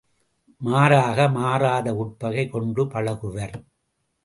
மாறாக, மாறாத உட்பகை கொண்டு பழகுவர்!